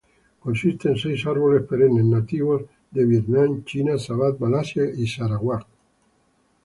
Consiste en seis árboles perennes nativas de Vietnam, China, Sabah, Malasia, y Sarawak.